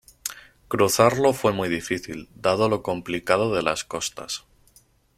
Cruzarlo fue muy difícil, dado lo complicado de las costas.